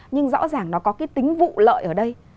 nhưng rõ ràng nó có cái tính vụ lợi ở đây